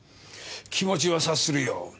気持ちは察するよ。